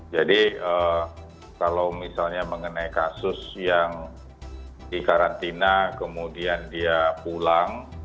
kalau misalnya mengenai kasus yang dikarantina kemudian dia pulang